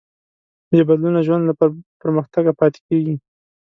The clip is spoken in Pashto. بېبدلونه ژوند له پرمختګه پاتې کېږي.